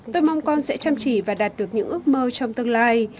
tôi mong con sẽ chăm chỉ và đạt được những ước mơ trong tương lai